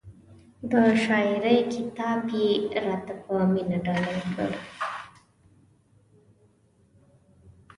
د شاعرۍ کتاب یې را ته په مینه ډالۍ کړ.